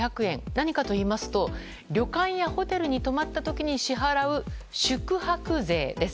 何かといいますと、旅館やホテルに泊まった時に支払う宿泊税です。